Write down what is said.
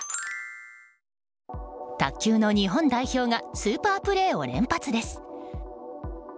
卓球の日本代表がスーパープレーを連発です。